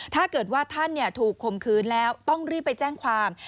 ถ้าเกิดว่าท่านถูกคมคืนแล้วต้องรีบไปแจ้งความ